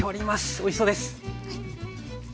おいしそうです！